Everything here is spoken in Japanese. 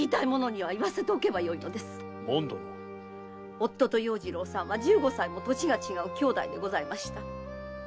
夫と要次郎さんは十五歳も歳が違う兄弟でございました。